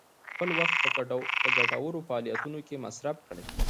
خپل وخت په ګټورو فعالیتونو کې مصرف کړئ.